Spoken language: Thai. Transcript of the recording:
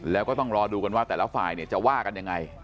แล้วก็ต้องรอดูกันว่าแต่ละฝ่ายจะว่ากันยังไง